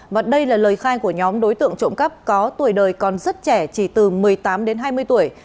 và đây là lời khai của nhóm đối tượng trộm cắp có tuổi đời còn rất trẻ chỉ từ một mươi tám đến hai mươi tuổi